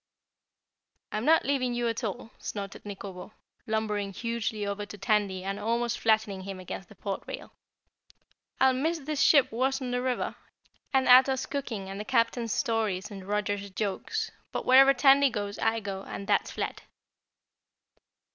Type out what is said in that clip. "I'm not leaving you at all," snorted Nikobo, lumbering hugely over to Tandy and almost flattening him against the port rail. "I'll miss this ship worse'n the river, and Ato's cooking and the Captain's stories and Roger's jokes, but wherever Tandy goes I go, and that's flat!"